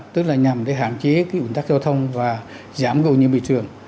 tức là nhằm để hạn chế cái ủng tắc giao thông và giảm cầu nhiễm bị trường